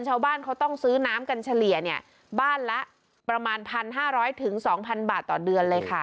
ชาวบ้านเขาต้องซื้อน้ำกันเฉลี่ยเนี่ยบ้านละประมาณพันห้าร้อยถึงสองพันบาทต่อเดือนเลยค่ะ